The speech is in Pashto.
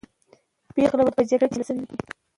پېغلې به په جګړه کې شاملې سوې وې.